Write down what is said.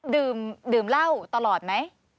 ดื่มเหล้าตลอดไหม